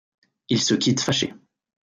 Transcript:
Ils se quittent fâchés.